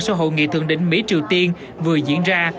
sau hội nghị thượng đỉnh mỹ triều tiên vừa diễn ra